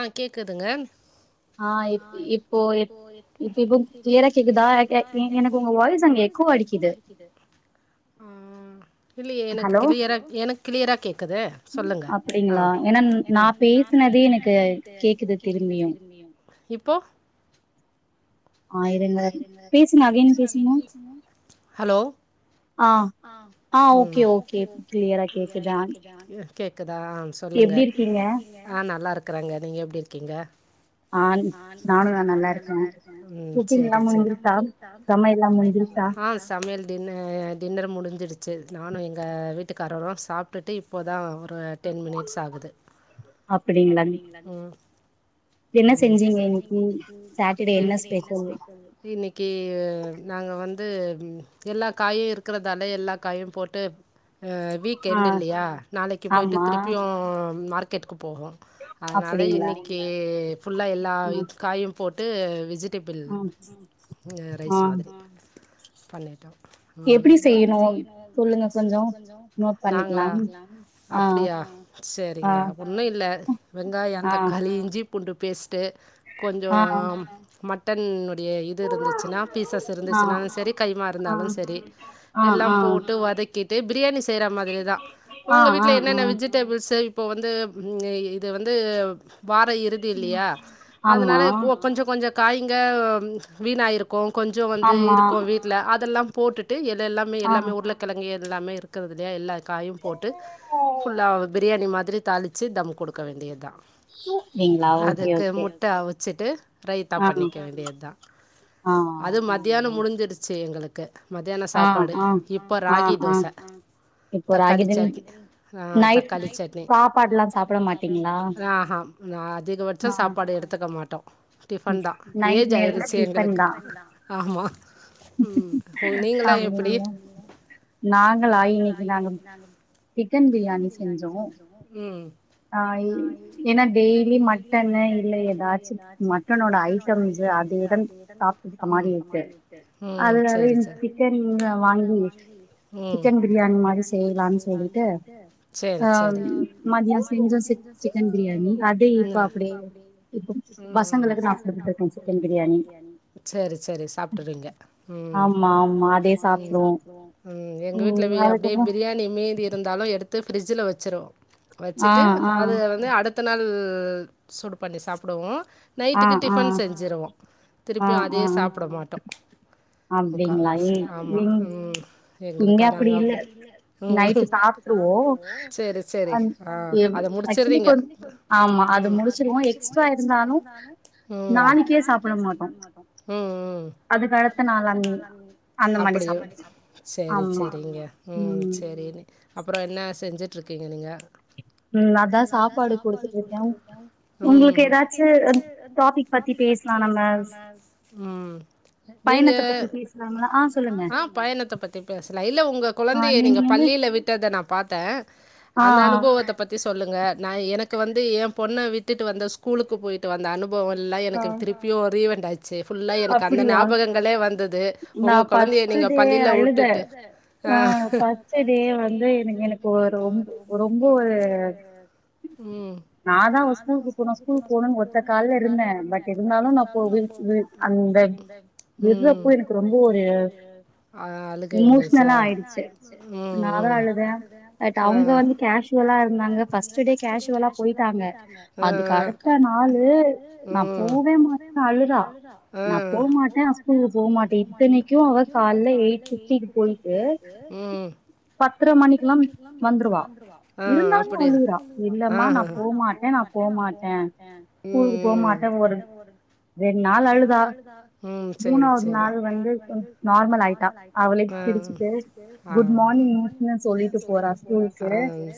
ஆ கேக்குதுங்க ஆ இப் இப்போ இப் இப்ப இப்போ கிளியரா கேக்குதா எ எ எனக்கு உங்க வாய்ஸ் அங்க எக் எக்கோ அடிக்குது ஆ இல்லியே எனக்கு கிளியரா எனக்கு கிளியரா கேக்குது சொல்லுங்க ஆ பேசினதே எனக்கு கேக்குது திரும்பியு அ இருங்க பேசுங்க அகெய்ன் பேசுங்க ஆ ஆ ஓக் ஆ ஓகே ஓகே கிளியரா கேக்குதா எப்டி இருக்கீங்க ஆ நல்லா இருக்குறேங்க நீங்க எப்டி இருக்கீங்க ஆ நானு நா நல்லா இருக்கே டியூஸன்லா முடிஞ்சிருச்சா சமையல்லா முடிஞ்சிருச்சா. சமையல் டின்னர் டின்னர் முடிஞ்சிடுச்சு நானு எங்க வீட்டுக்காரரோ சாப் உட்டுட்டு இப்போதா ஒரு டென் மினிட்ஸ் ஆகுது என்ன செஞ்சீங்க இன்னிக்கி சாட்டர்டே என்ன ஸ்பெஷல் இன்னக்கி நாங்க வந்து எல்லா காயு இருக்கிறதால எல்லா காயு போட்டு வீக் எண்டு இல்லயா நாளைக்கு போயிட்டு திருப்பியு மார்க்கெட்டுக்கு போவோ அதனால இன்னிக்கி ஃபுல்லா எல்லா காயு போட்டு விஜிட் டேபிள் ரைஸ் மாதிரி பண்ணிட்டோம் உம் எப்டி செய்யணூ சொல்லுங்க கொஞ்சோ நாங்ளா அப்டியா சரிங்க ஒன்னூ இல்ல வெங்காயோ தக்காளி இஞ்சி பூண்டு பேஸ்டு கொஞ்சோமட் மட்டனுடைய இது இருந்துச்சுன்னா பீசஸ் இருந்துச்சுனாலு சரி கைமா இருந்தாலு சரி எல்லாம் போட்டு வதக்கிட்டு பிரியாணி செய்ற மாதிரி தா உங்க வீட்டில என்னென்ன வெஜிட் டேபிள்ஸு இப்போ வந்து இது வந்து வாரோ இறுதி இல்லையா அதனால கொஞ்சோ கொஞ்சோ காய்ங்க வீணாயிருக்கு கொஞ்சோ வந்து இருக்கூ வீட்ல அதெல்லா போட்டுட்டு இது எல்லாமே எல்லாமே உருளக் கெழங்கு எல்லாமே இருக்கிறதுலையா எல்லா காயும் போட்டு ஃபுல்லா பிரியாணி மாதிரி தாளிச்சு தம் குடுக்க வேண்டியது தா அதுக்கு முட்டை அவிச்சுட்டு ரைத்தா பண்ணிக்க வேண்டியது தா அது மத்தியான முடிஞ்சிருச்சு எங்களுக் க்கு மத்தியானம் சாப்பாடு இப்போ ராகி தோசை தக்காளி சட்னி அ தக்காளி சட்னி சாப்பாடு எல்லாம் சாப்ட மாட்டீங்களா ஆஹா நா அதிகபட்சம் சாப்பாடு எடுத்துக்க மாட்டோ டிஃபன் தா ஏஜ் ஆயிடுச்சு எங்களுக்கு ஆமா உம் நீங்களா எப்டி நாங்களா இன்னைக்கு நாங்க சிக்கன் பிரியாணி செஞ்சோ உம் அ ஏன்னா டெய்லி மட்டன் இல்ல எதாச்சு மட்டனோட ஐட்டம் இது இதன் காசு குடுத்த மாதிரி இருக்கு சரி சரி சிக்கன் வாங்கி உம் சிக்கன் பிரியாணி மாரி செய்யலாம்னு சொல்லிட்டு உம் சரி சரி ம [unintelligible] அது செஞ்சோ சிக்கன் பிரியாணி லட்டு இப்ப அப்டி இல்ல இப்ப பசங்களுக்கு நா [unintelligible] ப்பட்டு இருக்கேன் சரி சரி சாப்டுறீங்க ஆமா அதயே சாப்டுவோ உம் எங்க வீட்ல அப்டியே பிரியாணி மீதி இருந்தாலு எடுத் த்து ஃப்ரிட்ஜ்ல வெச்சுருவொ. வெச்சுட்டு அத வந்து அடுத் த்த நாள் சுடு பண்ணி சாப்டுவோ. நைட்டுக்கு டிஃபன் செஞ்சுருவோ. திருப்பியு அதயே சாப்ட மாட்டோ. அப்டிங் மாரி உம் உம் எங்களுக்கா நாங்க அப்டி அப்டி இல்ல நாங்க நைட் சாப்ட்ருவோ செரி செரி ஆ அத முடுச்சுற்றீங்க ஆமா அது முடுச்சிருவோ. எக்ஸ்டரா இருந்தாலு உம் நாளைக்கே சாப்ட மாட்டோ. உம் ம் அதுக்கடுத்த நாளாநாளைக்கி அப்டியா செரி செரிங்க உம் செரி. அப்றோ என்ன செஞ்சுட்டுருக்கீங்க நீங்க. உம் அதா சாப்பாடு குடுத்துட்டு இருக்கே. உங்களுக்கு எதாச்சு டாபிக் டாபிக் பத்தி பேசலா நம்ப உம் நீங்க ஆ பயணத்த பத்தி பேசலா. இல்ல நீங்க உங்க கொழந்தய நீங்க பள்ளில விட்டத நா பாத்தே. அந்த அணு பவத்த பத்தி சொல்லுங்க. நா எனக்கு வந்து ஏ பொண்ண விட்டுட்டு வந்தே ஸ்கூலுக்கு போய்ட்டு வந்த அனு பவோ எல்லா எனக்கு திருப்பியு ரீவெண்ட் ஆ ச்சு. ஃபுல்லா எனக்கு அந்த ஞாபகங்களே வந்தது. உங்க கொழந்தய நீங்க பள்ளில உட்டுட்டு ஆ ஃபஸ்டு டே வந்து எனக்கு எனக்கு ஒரு ரொ ரொம் ரொம்ப ஒரு உம் நா தா அவ ஸ்கூலுக்கு போனு ஸ்கூலுக்கு போணும்னு ஒத்த கால்ல இருந்தே. பட் இருந்தாலு நா கோ இ இல் அந்த விட்றப்போ எனக்கு ரொம்போ ஒரு எமோஷனலா ஆயிடுச்சு. நாதா அழுதே. பட் அவ்ங்க வந்து கேஷ் வால இருந்தாங்க. ஃபஸ்ட் டே கேஷ்வலா போய்ட்டாங்க. அதுக்கு அடுத்த நாளூ நா போவே மாட்டே அழுதா ரா நா போமாட்டே நா ஸ்கூலுக்கு போ மாட்டே இத்தெனக்கு அவ கால்ல எயிட் ஃபிஃப்டிக்கு போய் போய்ட்டு ம் பத்தர மணிக்கெல்லா வந்துருவா. இருந்தாலு அழுவுறா. இல்ல மா நா போமாட்டே நா போமாட்டே. ஸ்கூலுக்கு போமாட்டே ஒரு ரெண் நாள் அழு ரெண் நாள் அழுதா மூணாது நாள் வந்து கொஞ்சோ நார்மல் ஆயிட்டா குட் மார்னிங் மிஸ்னு சொல்லிட்டு போரா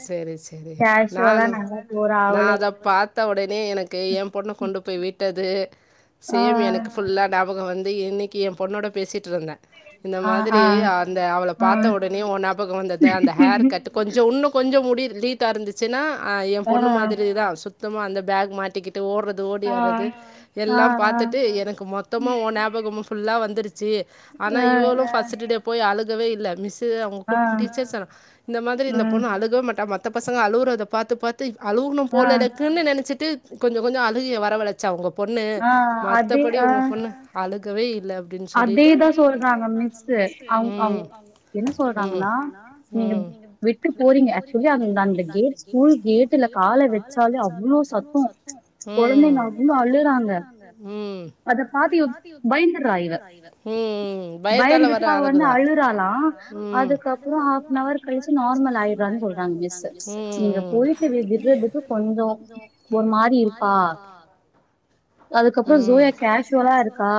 செரி செரி நானு நா அத பா த்த ஒடனே எனக்கு ஏ பொண்ண கொண்டு போய் விட்டது. சேம் எனக்கு ஃபுல்லா ஞாபகொ வந்து இன்னெக்கி ஏ பொண்ணோட பேசீட்டு இருந்தே. இந்த மாதிரி அந்த அவள பாத்த ஒடனே ஓ ஞாபகொ வந்ததா அந்த ஹேர் கட் கொஞ்சொ உன்னு கொஞ்சொ முடி லீத்தா இருந்துச்சுன்னா அ ஏ பொண்ணு மாதிரியே தா சு சுத்தமா அந்த பேக் மாட்டிக்கிட்டு ஓட்றது ஓடியாறது எல்லா பாத்துட்டு எனக்கு மொத்த மொத்தமா ஊ நாபகமு ஃபுல்லா வந்துருச்சு. ஆனா இவளு ஃபஸுடு டே போய் அழுகவே இல்ல. மிஸ்சு அவ்ங்க டீச்சர்ஸ் இந்த மாதிரி இந்த பொண்ணு அழுகவே மாட் மத்த பசங்க அழுவுரத பாத்து பாத்து அழுவனூ போலலுக்குன்னு நெனச்சிட்டு கொஞ்சொ கொஞ்சொ அழுகைய வரவழச்சா உங்க பொண்ணு. மத்தபடி உங்க பொண்ணு அழுகவே இல்ல. அப்பிடின்னு சொல்லிட்டு ம் ம் ம் விட்டு போறீங்க ஆக்சுவலி சொல்லி அங்க அ அந்த கேட் ஸ்கூல் கேட்டுல கால வெச்சாலே அவ்ளோ சத்தோ. குழந்தைங்க அவ்ளோ அழறாங்க. அத பாத்து இ பயந்தற்றா இவ. ம் ம் பயத்தால வர அழுகதா ம் ம் ம் அதுக்கப்பொறொ ஜோயா கேஷுவலா இருக்கா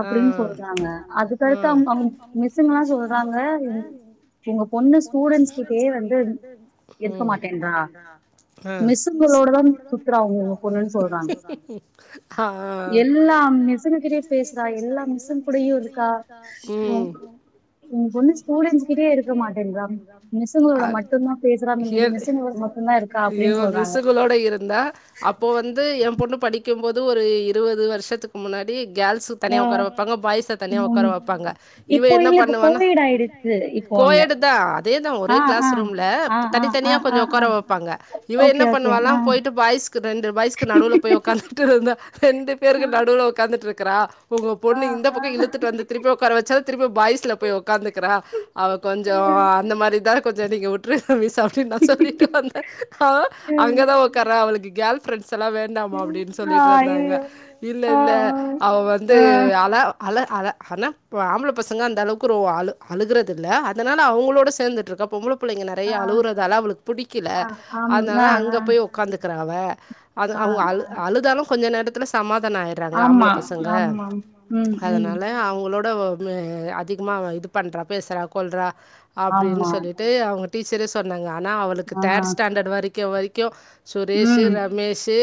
அப்பிடின்னு ம் சொல்றாங்க. ம் அடுத்தடுத்து அவ்ங்க மிஸ்ஸுங்கலா சொல்றாங்க உங்க பொண்ணு ஸ்டூடெண்டட்ஸ் கிட்டயே வந்து ம் கேட்க மாட்டேன்றா அஹ் மிஸ்சுங்களோடதா சுத்தரா அவுனுங்க ப்ரண்ட்ஸ் சொல்றாங்க எல்லா மிசுங்க கிட்டயூ பேசுறா மிசுங்க கூடயு இருக்கா ஒ உங்க பொண்ணு ஸ்டூடென்ட்ஸ் கிட்டயே இருக்க மாட்டேன்றா மிசுங்களோட மட்டுதா பேசுறா ஏ இவ மிசுகளோட இருந்தா அப்போ வந்து என் பொண்ணு படிக் கும் போது ஒரு இருபது வருஷத்துக்கு முன்னாடி கேர்ள்ஸு தனியா உக்கார வைப்பாங்க பாயஸ் தனியா உக்கார வைப்பாங்க இவ என்ன பண்ணுவானா கோயடு தா அதேதா ஒரே கிளாஸ் ரூம்ல தனித்தனியா கொஞ்சோ உக்கார வைப்பாங்க இவ என்ன பண்ணுவாலா போயிட்டு பாய்ஸ் ரெண்டு பாய்ஸ்கு நடுவுல போய் உக்காந்துட்டு இருந்தா ரெண்டு பேருக்கு நடுவுல உட்காந்துட்டு இருக்கிறா உங்க பொண்ணு இந்த பக்கம் இழுத்துட்டு வந்து திருப்பி உக்கார வச்சாலு திருப்பி பாய்ஸ்ல போய் உக்காந்துக்கறா அவ கொஞ்சோ அந்த மாரி தா கொஞ்சம் நீங்க வுட்டுருங் மிஸ் அப்படின்னு நா சொல்லிட்டு வந்தே அவ அங்கதா உக்கார்ரா அவளுக்கு கேர்ள் ஃபிரெண்ட்ஸ் எல்லா வேண் இந்தாமா அப்படின்னு சொல்லிட்டு இருந்தாங்க இல்ல இல்ல அவ வந்து அல அல அல ஹானா போ ஆம்பள‌ பசங்க அந்த அளவுக்கு ரோ ஆளு அழுகுறதுல்ல அதனால அவ்ங்களோடு சேந்துட்டுருக்கப் பொம்பள பிள்ளைங்க நறையா அழுவுறதால அவளுக் புடிக்கில அத்னால அங்க போய் உக்காந்துக்றா அவ அது அவ்ங் அலு அழுதாலு கொஞ்ச நேரத் த்துல சமாதான ஆய்றாங்க ஆம்பள பசங்க அதனால அவ்ங்ளோட வோ மே அதிகுமா அவ இது பண்றா பேசுறா கொல்றா அப்டின்னு சொல்லிட்டு அவ்ங்க டீச்சரே சொன்னங்க ஆனா அவளுக்கு தேட் ஸ்டாண்டட் வரைக்கு வரைக்கு சுரேஷு ரமேஷு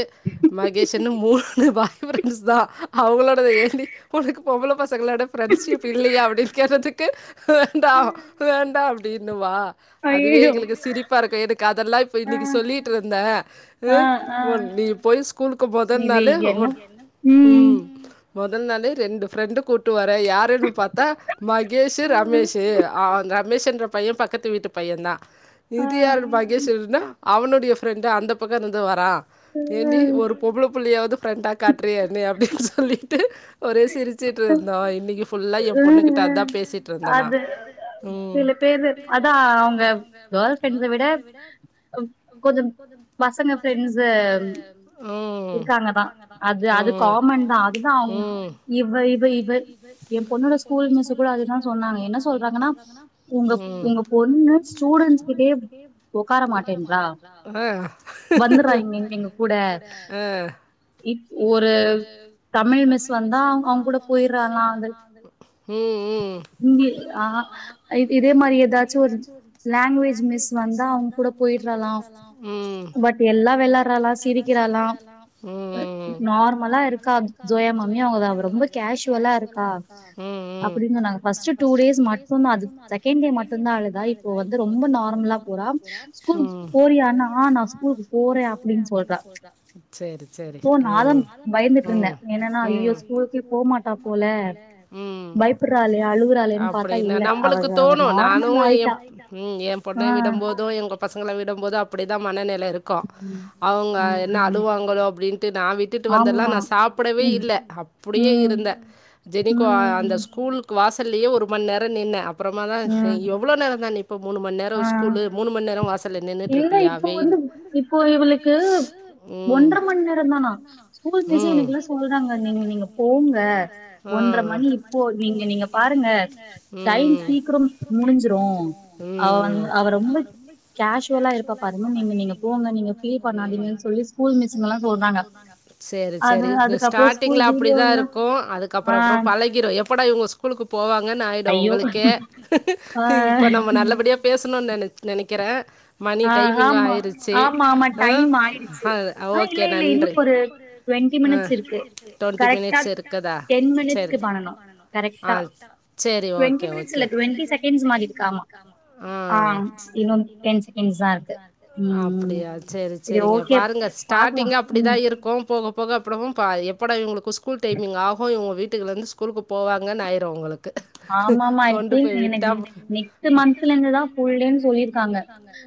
மகேஷன்னு மூ ணு பாய் ஃப்ரெண்ஸ் தா அவங்களோடது ஏன்டி புனக்கு பொம்பள பசங்களாட ஃப்ரெண்ஷிப் இல்லையா அப்டின் கேட்டத்துக்கு வேண்டா வேண்டா அப்டின்னுவா அதுவே எங்களுக்கு சிரிப்பா இருக்கு எனக் அதெல்லா இப்ப இன்னக்கு சொல்லிட்ருந்தே உ ஒன் நீ போய் ஸ்கூலுக்கு முதல்னாலு ரிமோட் ம் மொதல் நாளே ரெண்டு ஃப்ரெண்டு் கூட்டு வரே யாரேன்னு பாத்தா மகேஷு ரமேஷு ஆ ரமேஷ் என்ற பையன் பக்கத்து வீட்டு பையன் தா இதுயாரு பகேஷ் இருந்தா அவனுடைய ஃப்ரெண்ட்டு அந்த பக்கத் இந்து வரா ஏன்டி ஒரு பொம்பள புள்ளியாவது ஃப்ரெண்டா காட்ரி நீ அப்டின் சொல்லிட்டு ஒரே சிரிச்சுட்டு இருந்தோம் இன்னைக்கு ஃபுல்லா என் பொண்ணுகிட்ட அதான் பேசிட்டு இருந்தே நா சில பேரு ஆவ்ங்க கேர்ள் ஃப்ரெண்ஸ விட அப் கொஞ்சம் பசங்க ஃப்ரெண்ஸே அம் இருக்காங்க தா அது அது காமன் தா அதுதா அவ்ங் இவ இவ இவ என் பொண்ணோட ஸ்கூல் மிஸ் கூட அதுதா சொன்னாங்க என்ன சொல்றாங்கன்னா உங்கப் உங்க பொண்ணு ஆ அ இப் ஒரு தமிழ் மிஸ்ஸு வந்தாவ் அவ்ங் கூட பொய்ராலாது முந்தியே ஆ ஆ ஐத் இதே மாரி ஏதாச்சு ஒரு சுருன் வாங்வேஜ் மிஸ் வந்தா அவ்ங் கூட போய்ட்றாளாம் பட் எல்லா வெளாட்றாளா சிரிக்கராளா நார்மலா இருக்காத் அங்யு அவதா ப்ரோ ரொம்ப கேஷுவலா இருக்கா அப்படின்னு நாங்க ஃப்ஸ்ட்டு டூ டேஸ் மட்டுன்தா அதுக் சக் கென்டே மட்டுன்தால் க்ருதாய் இப்போ வந்து ரொம்ப நார்மலா போறாம் ஸ்கூல் போறியானா நா ஸ்கூல்‌க்கு ச்சரி ச்சரி ம் ம் ம் என்னன்னா ஐயோ ஸ்கூல்க்கே போமாட்டா போல பயப்புறாளே அழுவுறாளேன் அப்படின்னா நம்பளுக்கு தோணு நா நூ எம் ம் என் பொண்ணை விடும்போதூ இவ்ங்க பசங்கள விடும் போது அப்படிதா மனநிலை இரு கா அவ்ங்க என்ன அழுவாங்களோ அப்டின்ட்டு நா விட்டுட்டு வந்தெல்லா நா சாப்படவே இல்ல ப்புடியே இருந்தே ஜெனிக்கு ஆ அந்த ஸ்கூல்க் கு வாசல்லியே ஒரு மண் நேரோ நின்னே அப்றமா தா ஹ் எவ்ளோ நேரன்தா நிப்ப மூணு மண் நேரோ ஸ்கூலு மூணு மண் நேரோ வாசல்ல நின் இல்ல இப்போ வந்து இப்போ இவ்ளுக்கு ஒன்ற மண் நேரன் தானா கூல் மிஸ்ஸே இவனுக் எல்லா சொல்றாங்க நீங்க நீங்க போங்க ஒன்ற மணி போ நீங்க நீங்க பாருங்க டைம் சீக்ரும் முடிஞ்சிரு அவ வன் அவ ரொம்ப கேஷுவலாக இருப்ப பாருங்க நீங்க நீங்க போங்க நீங்க ஃபீல் பண்ணாதீங்கன்னு சொல்லி ஸ்கூல் மிஸிங்க ல்லா சொல்றாங்க செரி செரி இது ஸ்டாடிங்ல அப்டி தா இருக்கு அதுக்கப்பறோ அப்பறோ பழ பழக்கிரு எப்படா இவுங்க ஸ்கூலுக்கு போவாங்கன்னு ஆயிடு உங்களுக்கே இப்ப நம்ம நல்லபடி ய பேசணுனு நெனக் நெனக்கிறே மணி டைமிங்கு ஆயிருச்சி ஆ அ ஓகே நன்றி அ டுவெண்ட்டி மினிட்ஸ் இருக்குதா செரி ஆல் செரி ஓகே ஓகே இல்ல டுவென்டி செகண்ட்ஸ் மாரி இருக்காங்காம் ஆம் இன்னு டென் செகண்ட்ஸ் தா ருக் அப்டியா செரி செரிங்க பாருங்க ஸ்டார்ட்டிங்க அப்டிதா இருக்கு போக போக அப்படவு ப எப்பட இவுங்களுக்கு ஸ்கூல் டைமிங்க ஆகு இவுங்க வீட்டுகளருந்து ஸ்கூலுக்கு போவாங்கனு ஆயிரு உங்களு கு கொண்டு நெக்ஸ்ட் மந்த்லா இருந்துதா ஃபுல் டே னு சொல்லிருகாங்க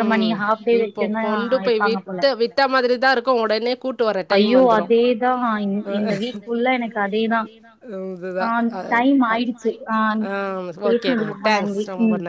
ம் இப்போ கொண்டு போய் விட் ட விட்ட மாதிரி தா இருக்கு ஒடனே கூட்டு வர டைம் வந்துரு இந்த வீக் ஃபுல்லா எனக்கு அதேதா ஆ டைம் ஆயிருச்சு ஆ பேசினது ரொம்ப நன்றி ம்